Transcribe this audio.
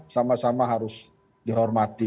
sama sama harus dihormati